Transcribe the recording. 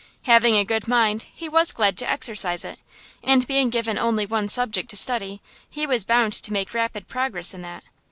Having a good mind, he was glad to exercise it; and being given only one subject to study he was bound to make rapid progress in that.